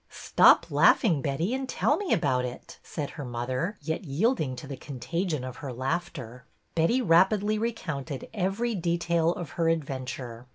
Stop laughing, Betty, and tell me about it," said her mother, yet yielding to the contagion of her laughter. Betty rapidly recounted every detail of her adventure.